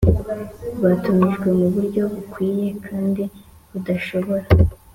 rwatumijwe mu buryo bukwiye kandi rudashoboye.